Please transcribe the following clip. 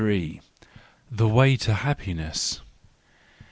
The Way to Happiness.